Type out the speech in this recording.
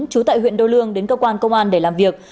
trú tại huyện đô lương đến cơ quan công an để làm việc